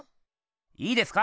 いいですか？